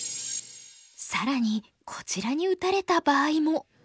更にこちらに打たれた場合も。